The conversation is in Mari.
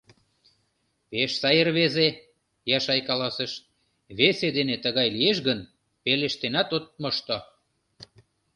— Пеш сай рвезе, — Яшай каласыш, — весе дене тыгай лиеш гын, пелештенат от мошто.